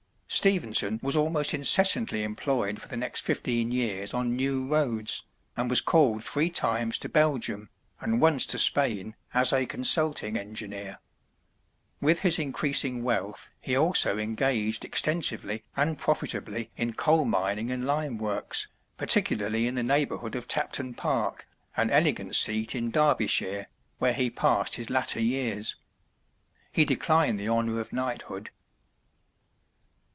Stephenson was almost incessantly employed for the next fifteen years on new roads, and was called three times to Belgium, and once to Spain as a consulting engineer. With his increasing wealth he also engaged extensively and profitably in coal mining and lime works, particularly in the neighborhood of Tapton Park, an elegant seat in Derbyshire, where he passed his latter years. He declined the honor of Knighthood.